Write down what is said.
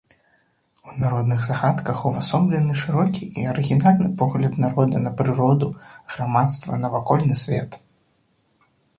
У народных загадках увасоблены шырокі і арыгінальны погляд народа на прыроду, грамадства, навакольны свет.